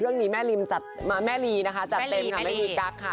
เรื่องนี้แม่รีจัดเต็มค่ะแม่รีกั๊กค่ะ